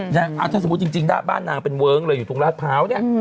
ถ้าสมมุติจริงบ้านนางเป็นเวิร์งเลยอยู่ตรงราชเผา